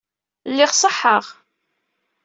Lliɣ ṣeḥḥaɣ.